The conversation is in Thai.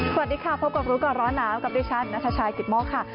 สวัสดีค่ะพบกับรู้ก่อนร้อนหนาวกับดิฉันนัทชายกิตโมกค่ะ